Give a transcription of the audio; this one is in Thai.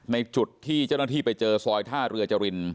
ในจุดที่เจ้าหน้าที่ไปเจอซอยท่าเรือจริน